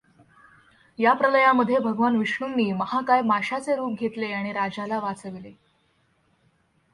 या प्रलयामध्ये भगवान विष्णूंनी महाकाय माशाचे रूप घेतले आणि राजाला वाचविले.